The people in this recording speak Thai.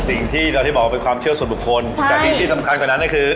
สิ่งที่เราที่บอกว่าเป็นความเชื่อส่วนบุคคลแต่ที่สำคัญกว่านั้นก็คือ